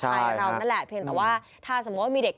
เรานั่นแหละเพียงแต่ว่าถ้าสมมุติว่ามีเด็ก